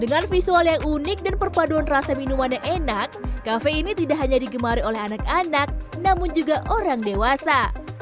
dengan visual yang unik dan perpaduan rasa minuman yang enak kafe ini tidak hanya digemari oleh anak anak namun juga orang dewasa